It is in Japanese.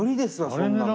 そんなの。